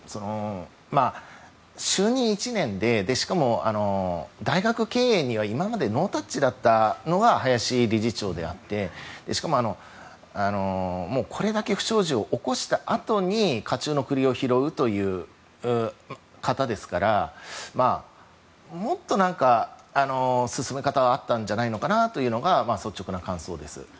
就任１年でしかも大学経営には今までノータッチだったのが林理事長であってしかもこれだけ不祥事を起こしたあとに火中の栗を拾うという方ですからもっと、進め方はあったんじゃないのかなというのが率直な感想です。